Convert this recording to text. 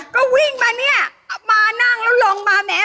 ก็วิ่งมาเนี่ยมานั่งแล้วลงมาแหม